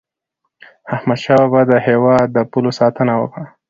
احمد شاه بابا د هیواد د پولو ساتنه وکړه.